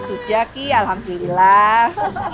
sudah kiki alhamdulillah